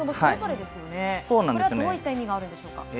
これはどういった意味があるんでしょうか？